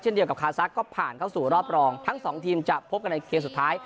เดียวกับคาซักก็ผ่านเข้าสู่รอบรองทั้งสองทีมจะพบกันในเกมสุดท้าย